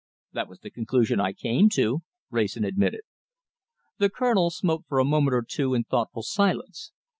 "That was the conclusion I came to," Wrayson admitted. The Colonel smoked for a moment or two in thoughtful silence.